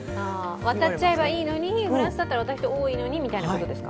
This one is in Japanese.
渡っちゃえばいいのに、フランスだったら渡る人多いのにみたいなことですか？